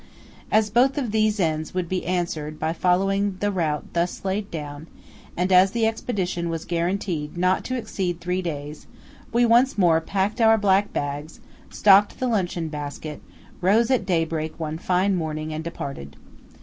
As both of these ends would be answered by following the route thus laid down, and as the expedition was guaranteed not to exceed three days, we once more packed our black bags, stocked the luncheon basket, rose at daybreak one fine morning, and departed.